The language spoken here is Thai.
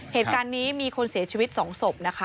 เหตุการณ์นี้มีคนเสียชีวิต๒ศพนะคะ